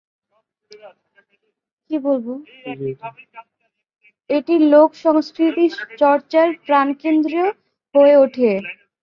এটি লোকসংস্কৃতি চর্চার প্রাণকেন্দ্র হয়ে ওঠে।